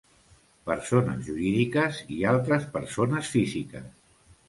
Persones jurídiques i altres persones físiques.